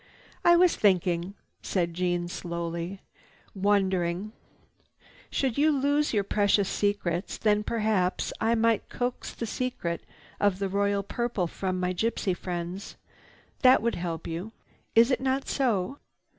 "I was thinking," said Jeanne slowly. "Wondering. Should you lose your precious secrets, then perhaps I might coax the secret of this royal purple from my gypsy friends. That would help you. Is it not so?"